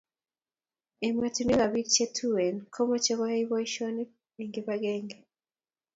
ematinwe ab pik che tuen komache koyai poishek en kibagenge